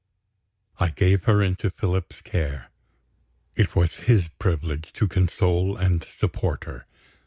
I gave her into Philip's care. It was his privilege to console and support her.